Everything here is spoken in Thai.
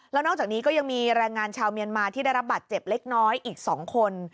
แล้วนอกจากนี้ก็ยังมีแรงงานชาวเมียนมาที่ได้รับบาดเจ็บเล็กน้อยอีก๒คน